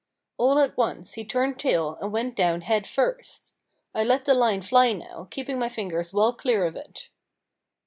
All at once he turned tail and went down head first. I let the line fly now, keeping my fingers well clear of it.